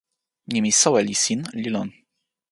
nimi soweli sin li lon.